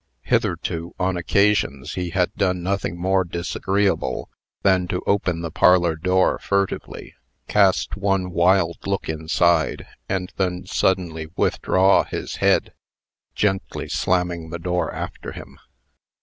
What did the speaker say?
Hitherto, on occasions, he had done nothing more disagreeable than to open the parlor door furtively, cast one wild look inside, and then suddenly withdraw his head, gently slamming the door after him.